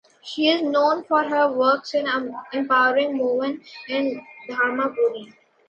She is known for her works in empowering women in Dharmapuri.